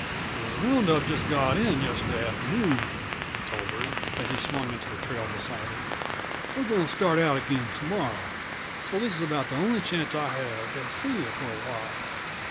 "The round up just got in yesterday afternoon," he told her, as he swung into the trail beside her. "We're going to start out again to morrow, so this is about the only chance I'll have to see you for a while."